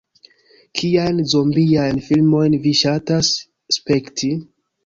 "Kiajn zombiajn filmojn vi ŝatas spekti?"